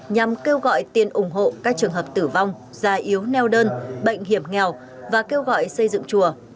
nhằm kêu gọi tiền ủng hộ các trường hợp tử vong già yếu neo đơn bệnh hiểm nghèo và kêu gọi xây dựng chùa